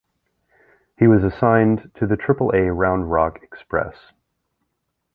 He was assigned to the Triple-A Round Rock Express.